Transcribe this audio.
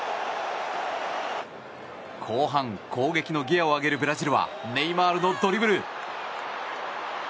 後半、攻撃のギアを上げるブラジルはネイマールのドリブル。